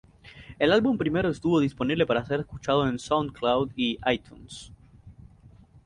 El álbum primero estuvo disponible para ser escuchado en Soundcloud y iTunes.